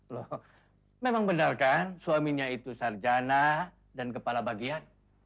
loh memang benar kan suaminya itu sarjana dan kepala bagian